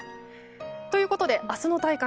ということで、明日の体感